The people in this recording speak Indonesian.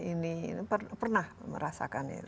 ini pernah merasakan